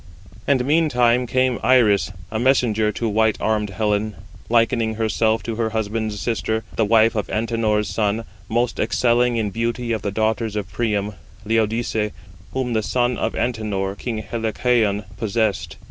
And meantime came Iris a messenger to white armed Helen, likening herself to her husband's sister, the wife of Antenor's son, most excelling in beauty of the daughters of Priam, Laodice, whom the son of Antenor, king Helicaon, possessed.